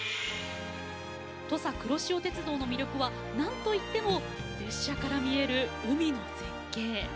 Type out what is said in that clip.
土佐くろしお鉄道の魅力はなんといっても列車から見える海の絶景。